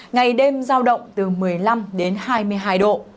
ngày đêm giao động từ một mươi năm đến hai mươi hai độ